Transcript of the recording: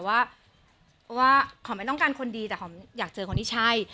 เพราะว่าหอมไม่ต้องการคนดีแต่หอมอยากเจอคนที่ใช่